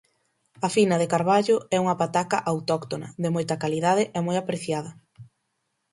A fina de Carballo é unha pataca autóctona, de moita calidade e moi apreciada